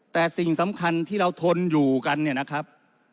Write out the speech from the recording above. แต่สิ่งสำคัญที่เราทนอยู่กันเนี่ยนะครับ